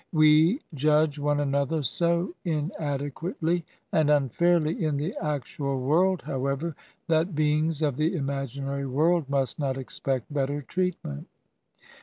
We judge one another so inadequately and un fairly in the actual world, however, that beings of the imaginary world must not expect better treatment.